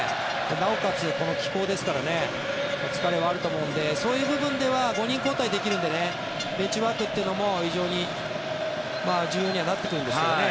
なおかつ、この気候ですから疲れはあると思うのでそういう部分では５人交代できるのでベンチワークというのも非常に重要にはなってくるんですけどね。